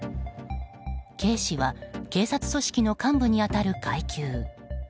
警視は、警察組織の幹部に当たる階級。